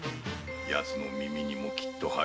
ヤツの耳にもきっと入る。